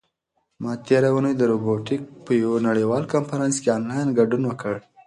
ما تېره اونۍ د روبوټیک په یوه نړیوال کنفرانس کې آنلاین ګډون وکړ.